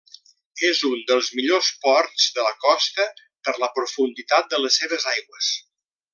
És un dels millors ports de la costa per la profunditat de les seves aigües.